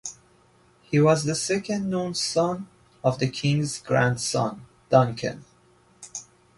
He was the second known son of the King's grandson, Duncan.